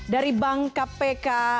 dari bank kpk